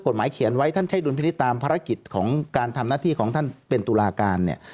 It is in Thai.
เขียนไว้ท่านใช้ดุลพินิษฐ์ตามภารกิจของการทำหน้าที่ของท่านเป็นตุลาการเนี่ย